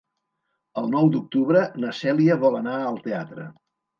El nou d'octubre na Cèlia vol anar al teatre.